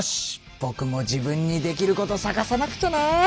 ぼくも自分にできることさがさなくちゃな。